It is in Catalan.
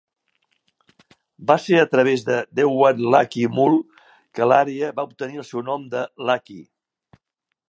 Va ser a través de Dewan Lakki Mull que l'àrea va obtenir el seu nom de 'Lakki'.